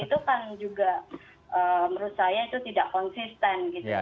itu kan juga menurut saya tidak konsisten